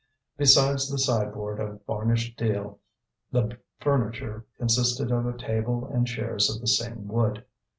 Besides the sideboard of varnished deal the furniture consisted of a table and chairs of the same wood.